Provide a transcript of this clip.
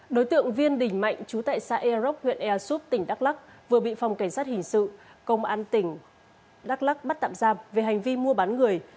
đối tượng viên đình mạnh chú tại xã air rock huyện air soup tỉnh đắk lắc vừa bị phòng cảnh sát hình sự công an tỉnh đắk lắc bắt tạm giam về hành vi mua bán người